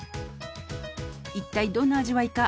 「一体どんな味わいか」